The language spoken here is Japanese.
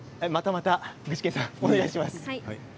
またまた具志堅さんお願いします。